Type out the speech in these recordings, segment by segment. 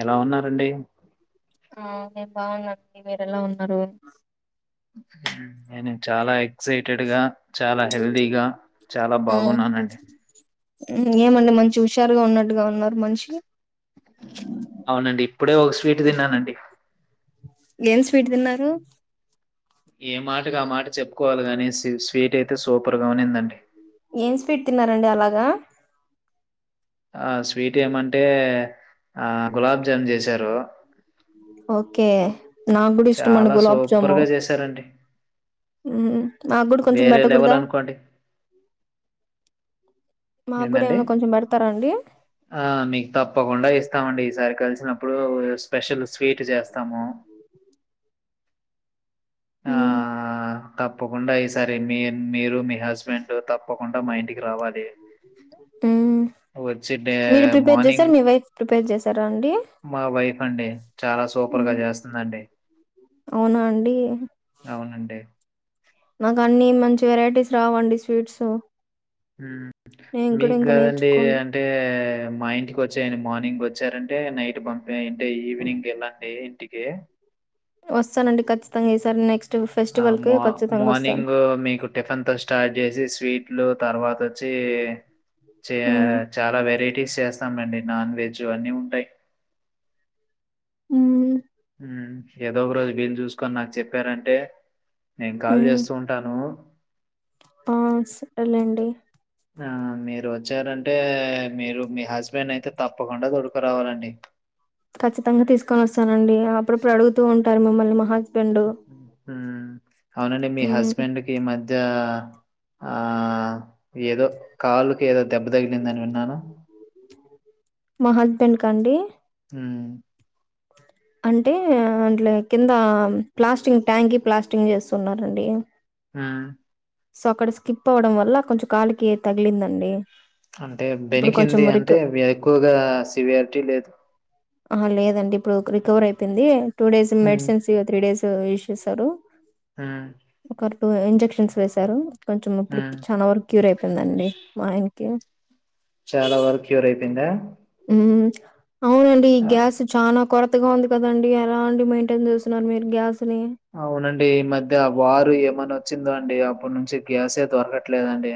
ఎలా ఉన్నారండి ఉ నేన్ బావున్నాన్ మీరెలా ఉన్నారు నేను చాలా ఎక్సైటెడ్ గా చాలా హెల్దీగా చాలా బాగున్నానండి ఉ ఏమండి మంచి హుషారుగ ఉన్నట్టుగా ఉన్నారు మనిషి అవునండి. ఇప్పుడే ఒక స్వీట్ తిన్నానండి. ఏం స్వీట్ తిన్నారు? ఏ మాటకు ఆ మాట చెప్పుకోవాలిగానీ స్వీ స్వీట్ అయితే సూపర్గా ఉనిందండి. ఏం స్వీట్ తిన్నారండి అలాగ? ఆ స్వీట్ ఏమంటే ఆ గులాబ్జామ్ జేసారూ. ఓకే నాక్గూడ ఇష్టమండి గులాబ్జాము. సూపర్‌గా చేశారండి. ఉమ్ నాక్ గూడ కొంచెం వేరే లెవెల్ బెట్టకూడదా? అనుకోండి. ఏందండి అండి ఆ మీక్ తప్పకుండా ఇస్తామండి ఈసారి కలిసి నప్పుడు స్పెషల్ స్వీట్ జేస్తమూ. ఆ! ఉ తప్పకుండా ఈసారి మీర్ మీరు మీ హస్బెండ్ తప్పకుండా మా ఇంటికి రావాలి. ఉమ్. వచ్చి డే మీరు ప్రిపేర్ చేసారు మార్నింగ్. మీ వైఫ్ ప్రిపేర్ చేసారా అండి మా వైఫ్ అండి చాలా సూపర్గా ఉమ్, చేస్తందండి. అవునా అండి అవునండి. మాగ్ అన్నీ మంచి వెరైటీస్ రావండి స్వీట్సు ఉమ్ మీక్ గాదండీ నేర్చుకోను అంటే? మా ఇంటికి వచ్చేయను మార్నింగ్ వచ్చారంటే నైట్ పంపే ఇంటే ఈవినింగ్ ఎళ్ళండీ. టికే వస్తానండి ఖచ్చితంగా ఈ సార్ నెక్స్ ఆ మో మార్నింగూ మీకు టిఫెన్తో స్టార్ట్ జేసి స్ వీట్లు తర్వాతొచ్చీ చే ఉమ్, చాలా వెరైటీస్ చేస్తామండి. నాన్ వెజ్ అన్నీ ఉంటాయ్. ఉమ్. ఉమ్ ఏదో ఒక రోజు వీల్ జూసుకొని నాకు చెప్పారంటే? నేన్ కాల్ ఉమ్. జేస్తు ఉంటానూ. ఆ సరెలేండి. ఆ మీరు వచ్చారంటే? మీరు మీ హస్బెండ్ని అయితే తప్పకుండా తోడుకోరావాలండి. ఖచ్చితంగ తీసుకొని వస్తానండి అప్పుడప్పుడు అడుగుతూ ఉంటారు మిమ్మల్ని మహాస్ ఉమ్ అవునండి మీ హ్మ్. హస్బెండ్కి ఈ మధ్య ఆ ఏదొ కాలుకి ఏదో దెబ్బ తగిలిందని విన్నాను. మా హస్బెండ్కా అండి. ఉమ్. అంటే అట్ల కింద ప్లాస్టింగ్ ట్యాంకి ప్లాస్టింగ్ చేస్తున్నారండి. ఉమ్ సో అక్కడ స్కిప్ అవ్వడం వల్ల కొంచెం కాలుకి తగిలిందండి. అంటే ఇప్పుడు కొంచెం బెణికింది రిక అంటే ఎక్కువగా సివియార్టీ లేద్. ఆహ లేదండి ఇప్పుడు రికవర్ అయిపోయింది two days hmm. Medicines three days use చేసాడు. ఉ ఇప్పుడు ఇంజెక్షన్స్ వేసారు కొంచెం ఇప్పుడు హ్మ్. చానా వరు క్యూర్ అయిపోయిందండి మా ఆయన్కి చాలా వరకు క్యూర్ ఐపేందా? హ్మ్. అవునండి ఈ గ్యాస్ చాన కొరతగా ఉంది కదండి ఎలా అండి మెయింటైన్ చేస్తున్నారు మీరు గ్యాస్ అవునండి ఈ మధ్య వారు ఎప్ మని వచ్చిందో అండి అప్పుడు నుంచి గ్యాసే దొరకట్లేదండి.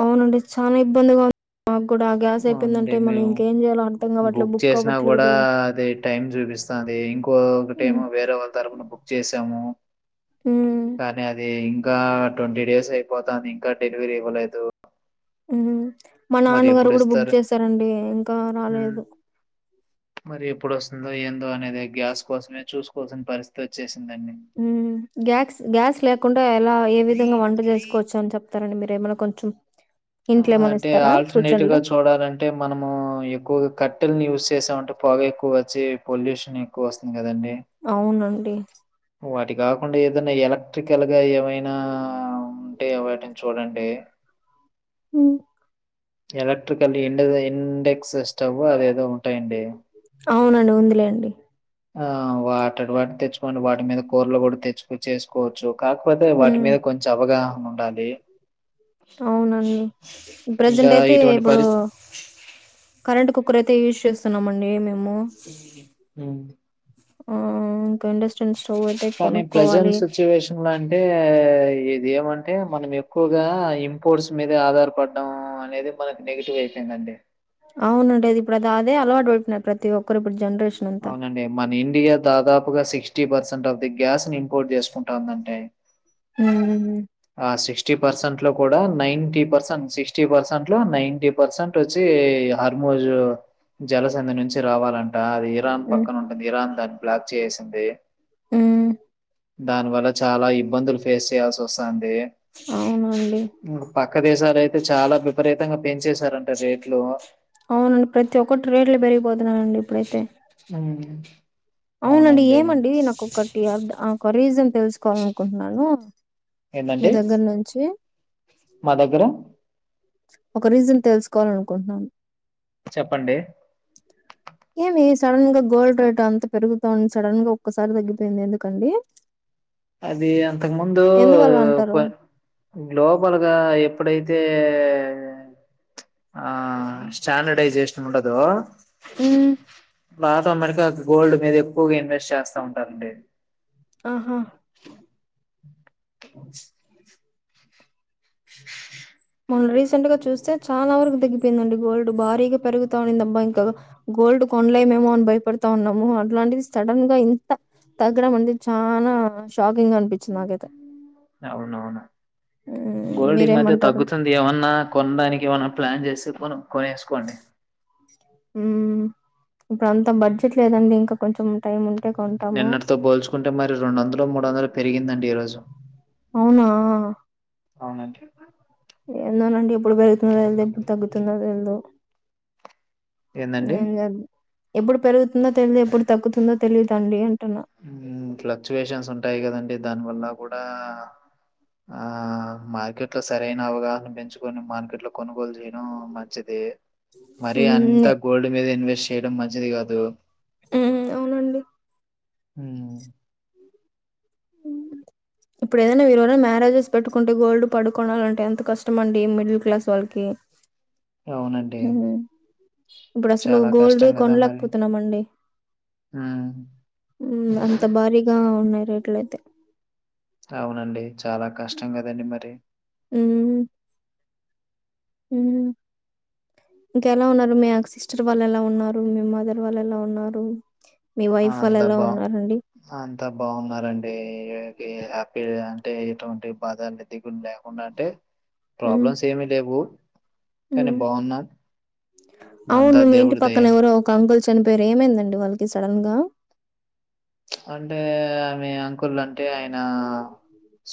అవునండి చాలా ఇబ్బందిగా ఉం మాక్ కూడా ఆ గ్యాస్ అవునండి. అయిపోయిందంటే మనం మేము ఇంకేం చేయాలో అర్ధం కావట్లే బుక్ అవ్వట్లేదు. సరే హ్మ్. ఇంకోకటేమో వేరే వాళ్ళ తరపున బుక్ చేసాము హ్మ్. కానీ అది ఇం ఇంకా ట్వంటీ డేస్ అయిపోతది ఇంకా డెలివరీ ఇవ్వలేదు. మా మరి నాన్నగారు కూడా బుక్ ఎప్పుడిస్తారు? చేసారండి ఇంకా హ్మ్. రాలేదు మరి ఎప్పుడు వస్తుందో ఏందో అనేది గ్యాస్ కోసమే చూసుకోవాల్సిన పరిస్థితి వచ్చే గ్యాస్ గ్యాస్ లేకుండా ఎలా ఏ విధంగా వంట చేసుకోవచ్చు అని చెప్తారండి మీరు ఏమన్నా కొంచెం హింట్లు ఏమైనా అంటే ఇస్తారా ఆల్టర్నేటివ్ గా సూచనలు? చూడాలంటే మనము ఎక్కువగా కట్టెల్ని యూస్ చేసాము పొగ ఎక్కువ వచ్చి పొల్యూషన్ ఎక్కువ వస్తుంది కదండి అవునండి. వాటి కాకుండా ఏదైనా ఎలక్ట్రికల్ గా ఏమైనా ఉంటే వాటిని చూడండి ఉ ఎలక్ట్రికల్ ఇండెక్స్స్ స్టవ్ అదేదో ఉంటాయండి అవునండి. ఉందిలేండి. ఆ వాట వాటి తెచ్చుకోండి వాటి మీద కూరలు కూడా తెచ్చుకునీ చేసుకోవచ్చు కాకపోతే వాటి హ్మ్. మీద కొంచెం అవగాహన ఉండాలి అవునండి ప్రెజెంట్ ఇంకా అయితే ఇటువంటి ఇప్పుడు పరిస్ కరెంట్ కుక్కర్ అయితే యూస్ చేస్తున్నామండి మేము ఉం ఆ ఇండక్షన్ స్టవ్ అయితే కానీ కొనుక్కోవాలి ప్రజెంట్ సిచ్యువేషన్ లో అంటే ఇది ఏమంట అంటే మనం ఎక్కువగా ఇంపోర్ట్స్ మీద ఆధారపడడం అనేది మనకి నెగటివ్ అయిపోందండి అవునుండి ఇప్పుడు అది అదే అలవాటు పడిపోనడు ప్రతి ఒక్కరు ఇప్పుడు జనరేషన్ అంతా అవునండి మన ఇండియా దాదాపు ఎక్కుగా sixty percent of the gas ని ఇంపోర్ట్ చేసుకుంటాందంటే ఉం సిక్టీ పర్సెంట్ లో కూడా నయింటి పర్సెంట్ సిక్టీ పర్సెంట్ లో నాయింటి పర్సెంట్ వచ్చి నోజు జలసంధి నుంచి రావాలంట అది ఇరాన్ ఉమ్ పక్కన ఉంటుంది ఇరాన్ దాన్ని బ్లాక్ చేసేసింది ఉమ్ దాని వల్ల చాలా ఇబ్బందులు ఫేస్ చేయాల్సి వస్తుంది అవునండి పక్కదేశాలు అయితే చాలా విపరీతంగా పెంచేశారంటే రేట్లు అవునండి ప్రతి ఒక్కటి రేట్లు పెరిగిపోతున్నాయండీ ఇప్పుడైతే హ అవునండి ఏమండి నాకొకటి ఒక రీజన్ తెలుసుకోవాల అనుకుంటున్నాను మీ ఏంటండి దగ్గర నుంచి మా దగ్గర ఒక రీజన్ తెలుసుకోవాల అనుకుంటున్నాను చెప్పండి ఏమి సడన్ గా గోల్డ్ రేట్ అంత పెరుగుతోంది సడన్ గా ఒక్కసారి తగ్గిపోయింది ఎందుకండి అది అంతకు ముందు ఎందువల్ల క్వ అంటారు గ్లోబల్గా ఎప్పుడైతే ఏ అంటే ఆ స్టాండర్డైజేషన్ ఉండదు మ్ లాత అమెరికా గోల్డ్ మీద ఎక్కువగా ఇన్వెస్ట్ చేస్తా ఉంటారండి ఆహా మనం రీసెంట్ గా చూస్తే చాలా వరకు తగ్గిపోయిందండి గోల్డ్ భారీగా పెరుగుతా ఉండిది అబ్బా ఇంకా గోల్డ్ కొనలేమేమో అని భయపడు తున్నాము అట్లాంటిది సడన్ గా ఇంత తగ్గడం అంది చాన షా కింగ్ అనిపించింది నాకైతే అవునవును మ్మ్ గోల్డ్ ఈ మధ్య మీరేమంటారు తగ్గుతుంది ఏమన్నా కొనడానికి ఏమన్నా ప్లాన్ చేసి కొను కొనేసుకోండి. ఊ ఇంకా అంత బడ్జెట్ లేదండి ఇంకా కొంచెం టైం ఉంటే కొంటాము. నిన్నటితో పోల్చుకుంటే మరి రెండు వందలో మూడు వందలో పెరిగిందండి ఈరోజు అవునా అవునండి ఏందోనండి ఎప్పుడు పెరుగుతున్నో తెలీదు ఎప్పుడు తగ్గుతుందో తెలీదు ఏందండి ఏం జేద్ ఎప్పుడు పెరుగుతుందో తెలీదు ఎప్పుడు తగ్గుతుందో తెలిదు దండి ఫ్లక్చుయేషన్స్ ఉంటాయి కదండి దాని వల్ల కూడా ఆ అ మార్కెట్ లో సరైన అవగాహన పెంచుకొని మార్కెట్ లో కొనుగోలు చేయడం మంచిది మరి అంతా హ్మ్. గోల్డ్ మీద ఇన్వెస్ట్ చేయడం మంచిది కాదు మ్ అవునండి ఊ ఉ ఇప్పుడు ఏదైనా మీరు ఎవరన్నా మ్యారేజెస్ పెట్టుకుంటే గోల్డ్ పడుకోనాలంటే ఎంత కష్టమండి మిడిల్ క్లాస్ వాళ్ళకి అవునండి హు ఇప్పుడు అసలు చాలా గోల్డ్ కష్టం కదా మరి కొనలేకపోతున్నామండి మ్మ్. ఉ అంత భారీగా ఉన్నాయి రేట్లు అయితే అవునండి చాలా కష్టం కదండి మరి ఊ ఉ ఇంకెలా ఉన్నారు మీ అక్ సిస్టర్ వాళ్ళు ఎలా ఉన్నారు మీ మదర్ వాళ్ళు ఎలా ఉన్నారు మీ ఆ వైఫ్ వాళ్ళు అంత ఎలా బ ఉన్నారండి అంత బాగున్నారండి హ్యాపీ అంటే ఎటువంటి బాధలు దిగులు లేకుండా అంటే ఉమ్ ప్రాబ్లమ్స్ ఏమీ లేవు కానీ బాగున్నాం అంతా అవును మీ ఇంటి దేవుడి పక్కన దయండి. ఎవరో ఒక అంకుల్ చనిపోయేరు ఏమైందండి వాళ్ళకి సడన్ గా అంటే ఆమె అంకుల్ అంటే ఆయన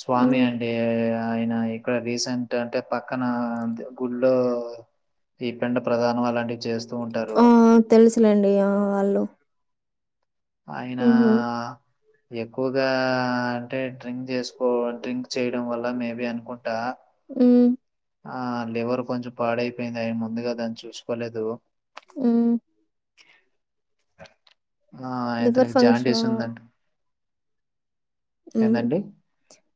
స్వామి ఉమ్ అండి ఆయన ఇక్కడ రీసెంట్ అంటే పక్కన గుళ్ళో ఈ పిండ ప్రధానం అలాంటి ఉ తెలుసులేండి ఆ వాళ్ళు ఆయనా ఉహు ఎక్కువగా అంటే డ్రింక్ చేసుకో డ్రింక్ చేయడం వల్ల మేబి అనుకుంటా ఉ ఆ లివర్ కొంచెం పాడైపోయింది అ ముందుగా దాన్ని చూసుకోలేదు ఉ ఆ లివర్ అతనికి ఫంక్షన్ జాండిస్ ఉందంట ఎందండి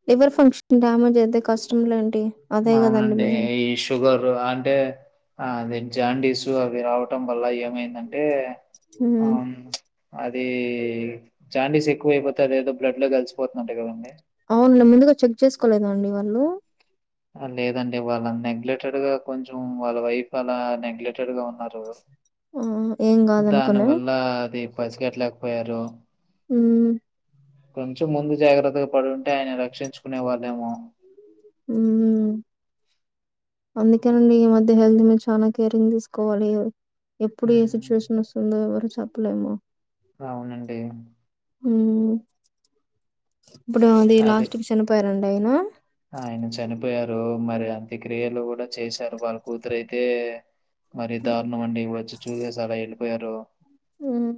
లివర్ ఫంక్షన్ కి డ్యామేజ్ అయితే కష్టటంలేండి అదే కదండి మెయిన్ ఇప్పుడు ఆ అంటే ఆదే జాండీస్ అవి రావడం వల్ల ఏమైందంటే ఆమ్ చ్ అదీ జాండిస్ ఎక్కువయిపోతే అది ఏదో బ్లడ్ లో కలిసిపోతుంది అంట కదండి అవునులే ముందుగా చెక్ చేసుకోలేద అండి వాళ్ళు లేదండి వాళ్ళ నెగ్లెటెడ్ గా కొంచెం వాళ్ళ వైఫ్ అలా నెగ్లెకటెడ్ గా ఉన్నారు ఆ, ఏం దాని కాదనుకునే వల్లా అది పసగట్టలేకపోయారు హు కొంచెం ముందు జాగ్రత్తగా పడి ఉంటే ఆయన రక్షించుకునే వాళ్ళేమో ఊ అందుకేనండి ఈ మధ్య హెల్త్ మీద చానా కేరింగ్ తీసుకోవాలి ఎప్పుడు ఏ హ్మ్. సిచ్యువేషన్ వస్తుందో ఎవరు చెప్పలేము అవునండి ఉ ఇప్పుడు అది అదే. లాస్ట్ కి చనిపోయారండి అయన ఆయన చనిపోయారు రో మరి అంత్యక్రియలు కూడా చేశారు వాళ్ళ కూతురైతే మరి ఉమ్, దారుణం అండి వొచ్చి చూసేసి అలా ఎ ళ్ళిపోయారు ఉమ్,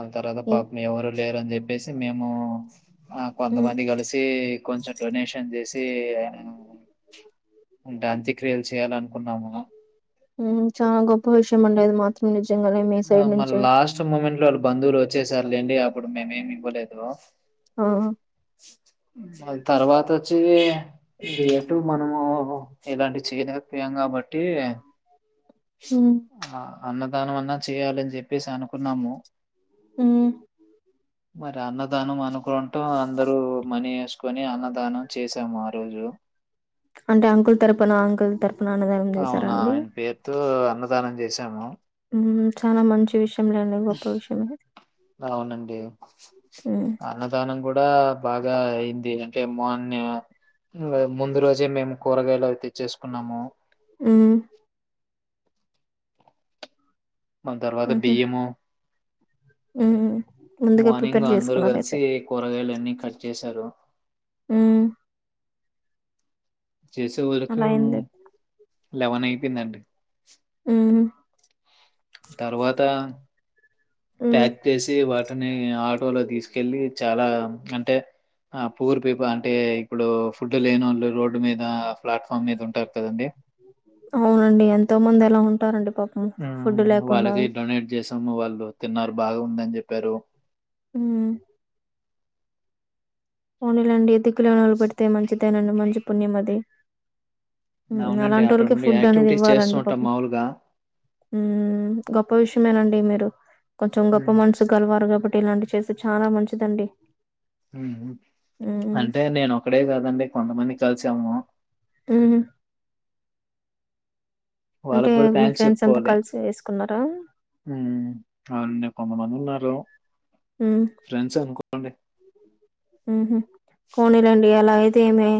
అ తర్వాత ఏ- పాపం ఎవరు లేరుని జెప్పేసి మేము అ ఉమ్, కొంతమంది కలిసీ కొంచెం టెన్ చేసి ఉంట అంత్యక్రియలు చేయాల అనుకున్నాము ఉ చాలా గొప్ప విషయం అండి అది మాత్రం నిజంగానే మీ ఆ, సైడ్ మళ్ళీ నుంచి లాస్ట్ [unintelligible] వాళ్ళ బంధువులు వచ్చేసారు లేండి అప్పుడు మేమేమి ఇవ్వలేదు అ వాళ్లు తర్వాత వొ చ్చి ఎటు మనము ఇలాంటి చేయలేకపోయాము కాబట్టి ఉమ్, ఆ అన్నదానం అన్నా చేయాలని చెప్పేసి అనుకున్నాము ఉ మరి అన్నదానం అనుకుంటూ అందరూ మనీ ఎస్ కొని అన్నదానం చేశాము ఆ రోజు అంటె అంకుల్ తరపున అంకుల్ తర్ అవును ఆయన్ పేరుతో అన్నదానం చేసాము ఊ చాలా మంచి విషయంలేండి గొప్ప విషయమే అవునండి మ్మ్. అన్నదానం గూడా డా బాగా అయింది అంటే మున్నె ఇంగ ముందు రోజే మేము కూరగాయలు అవి తేచ్చే సుకున్నాము ఉ మళ్లి తర్వాత మ్హూ. బియ్యము మ్మ్. ముందుగా ప్రిపేర్ మార్నింగ్ అందరూ చేసుకున్నారైతే గలిసి కూరగాయలు అన్ని కట్ చేసారు ఊ చేసె వరకు అలా అయింది లెవన్ అయిపోందండి ఊహు తర్వాత మ్మ్. ప్యాక్ చేసి వాట్ వాటిని ఆటోలో దీసుకెళ్ళి చాలా అంటె ఆ పూర్ పీపు అంటే ఇప్పుడు ఫుడ్ లేనొళ్ళు రోడ్డు మీద ప్లాట్ఫామ్ మీద ఉంటారు కదండి అవునండి ఎంతో మంది అలా ఉంటారండి పాపం ఫుడ్ ఊమ్ లేకుండా వాళ్ళకి డొనేట్ జేసాము వాళ్ళు తిన్నారు బాగా ఉందని జెప్పారు ఉ పోనీలెండి దిక్కులేనిళ్ళకు పెడితే మంచిదేనండి మంచి పుణ్యం అది ఉ అవునండి. అలాంటోల్లకే అటువంటి ఫుడ్ అనేది యాక్టివిటీస్ చేస్తూ ఇవ్వాలండి ఉంటాం పాపం మామూలుగా. ఊమ్ గొప్ప విషయమేనండి మీరు కొంచెం గొప్ప హ్మ్. మనసు కలవారు కాబ ట్టి ఇలాంటి చేస్తే చానా మంచిదండి ఊహు మ్మ్. అంటే నేను ఒక్కడే కాదండి కొంతమంది కలిసాము ఊహు అంటే వాళ్ళకు గూడా మీ థ్యాంక్స్ ఫ్రెండ్స్ అంతా చెప్పుకోవాలి కలిసి వేసుకున్నారా ఊమ్ అవునండి కొందమంది ఉన్నారు ఉమ్ ఫ్రెండ్స్ అనుకోండి తేమే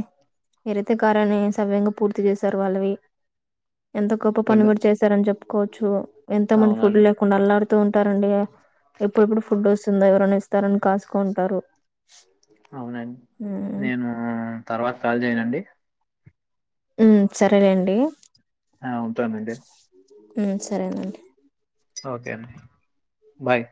మీరైతే కార్యాన్ని సవ్యంగా పూర్తి జేసరు వాళ్ళవి ఎంత గొప్ప పని కదా! గూడా చేసరని చెప్పుకోవచ్చు ఎంతో మంది ఫుడ్ అవునండి. లేకుండా అల్లాడుతూ ఉంటారండి ఎప్పుడెప్పుడు ఫుడ్ వొస్తుందా ఎవరన్న ఇస్తారని కాస్కుంటారు అవునండి నేను తర్వాత కాల్ జేయన అండి ఉ సరేలేండి ఆ ఉంటానండి ఉమ్ సరేనండి ఓకే అండి బాయ్